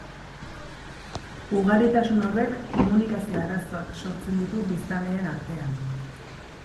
Ugaritasun horrek komunikazio arazoak sortzen ditu biztanleen artean.